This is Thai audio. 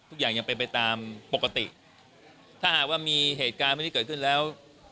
ทุกอย่างยังเป็นไปตามปกติถ้าหากว่ามีเหตุการณ์แบบนี้เกิดขึ้นแล้ว